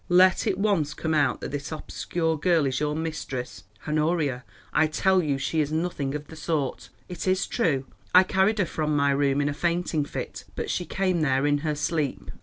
Let it once come out that this obscure girl is your mistress——" "Honoria, I tell you she is nothing of the sort. It is true I carried her from my room in a fainting fit, but she came there in her sleep."